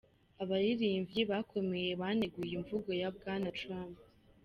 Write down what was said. Abaririmvyi bakomeye baneguye imvugo ya Bwana Trump.